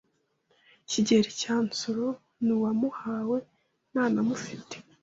Kigeli cya Nsoro n’uwamuhawe ntanamufite